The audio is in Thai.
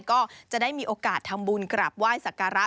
ก็จะได้มีโอกาสทำบุญกราบไหว้สักการะ